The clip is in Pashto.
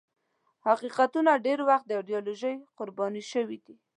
حقیقتونه ډېر وخت د ایدیالوژۍ قرباني شوي دي.